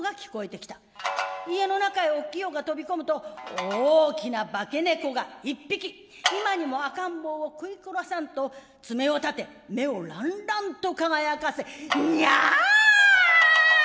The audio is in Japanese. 家の中へお清が飛び込むと大きな化け猫が１匹今にも赤ん坊を食い殺さんと爪を立て目をらんらんと輝かせニャー。